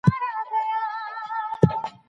انسان باید خوب ته وخت ورکړي.